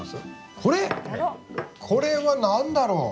これ⁉これは何だろう？